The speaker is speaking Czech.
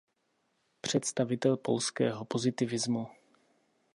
Představitel polského pozitivismu.